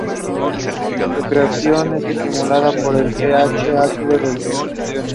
Su secreción es estimulada por el pH ácido del duodeno.